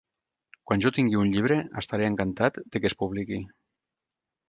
Quan jo tingui un llibre estaré encantat de que es publiqui.